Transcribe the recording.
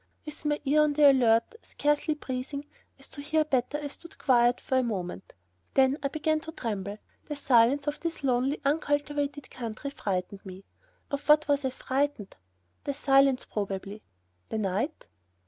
With my ear on the alert, scarcely breathing so as to hear better, I stood quiet for a moment. Then I began to tremble, the silence of this lonely, uncultivated country frightened me. Of what was I frightened? The silence probably ... the night